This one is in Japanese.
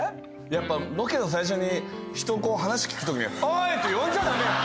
やっぱロケの最初に人をこう話聞くときに「おーい」って呼んじゃダメよ